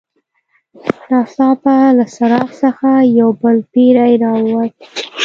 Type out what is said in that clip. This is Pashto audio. ناڅاپه له څراغ څخه یو بل پیری راووت.